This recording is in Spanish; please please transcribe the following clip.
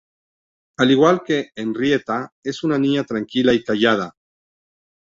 Al igual que Henrietta, es una niña tranquila y callada.